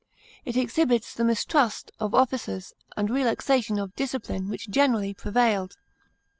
It exhibits the mistrust of officers and relaxation of discipline which generally prevailed.